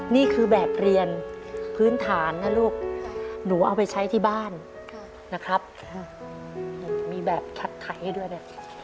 นี่คือแบบเรียนพื้นฐานนะลูกหนูเอาไปใช้ที่บ้านนะครับมีแบบคัดไขให้ด้วยเนี่ย